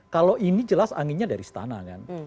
kalau ini jelas anginnya dari istana kan